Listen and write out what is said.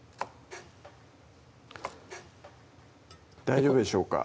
大丈夫でしょうか？